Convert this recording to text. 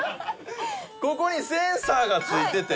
ここにセンサーが付いてて。